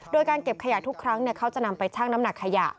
โดยการเก็บขยะทุกครั้งเขาจะนำไปชั่งน้ำหนักขยะ